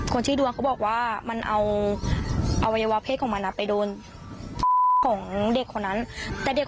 ชื่อดวงเขาบอกว่ามันเอาอวัยวะเพศของมันไปโดนของเด็กคนนั้นแต่เด็ก